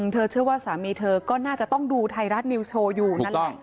เธอเชื่อว่าสามีเธอก็น่าจะต้องดูไทยรัฐนิวสโชว์อยู่นั่นแหละ